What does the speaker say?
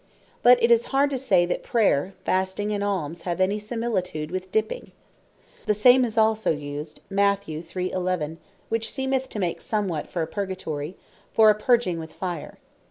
But it is hard to say, that Prayer, Fasting, and Almes, have any similitude with Dipping. The same is used also Mat. 3. 11. (which seemeth to make somewhat for Purgatory) for a Purging with Fire.